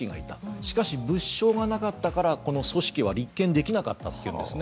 しかし、物証がなかったからこの組織は立件できなかったというんですね。